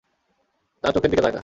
তার চোখের দিকে তাকা।